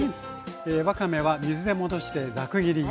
わかめは水で戻してザク切りに。